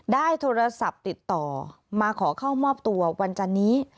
ได้โทรศัพท์ติดต่อมาขอเข้ามอบตัววันจันนี้